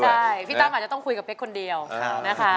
ใช่พี่ตั้มอาจจะต้องคุยกับเป๊กคนเดียวนะคะ